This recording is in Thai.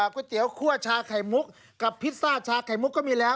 ก๋วยเตี๋ยวคั่วชาไข่มุกกับพิซซ่าชาไข่มุกก็มีแล้ว